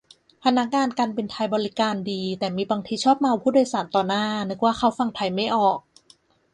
พนักงานการบินไทยบริการดี แต่มีบางทีชอบเมาต์ผู้โดยสารต่อหน้า นึกว่าเขาฟังไทยไม่ออก